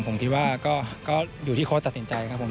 ผมคิดว่าก็อยู่ที่โค้ดตัดสินใจครับผม